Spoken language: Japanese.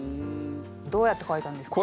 どうやって書いたんですか？